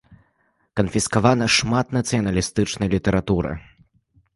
Канфіскавана шмат нацыяналістычнай літаратуры.